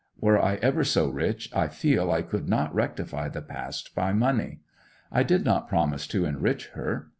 Were I ever so rich I feel I could not rectify the past by money. I did not promise to enrich her.